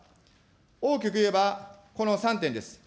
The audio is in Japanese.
大きく言えば、この３点です。